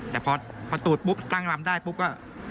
แต่พอตูดปุ๊บตั้งรำได้ปุ๊บก็